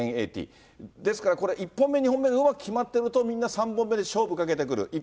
ですから、これ、１本目、２本目がうまく決まってると、みんな３本目で勝負かけてくる。